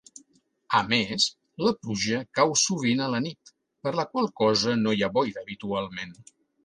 A més, la pluja cau sovint a la nit, per la qual cosa no hi ha boira habitualment.